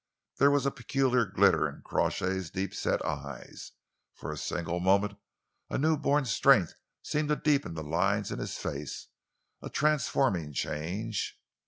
There was a peculiar glitter in Crawshay's deep set eyes. For a single moment a new born strength seemed to deepen the lines in his face a transforming change.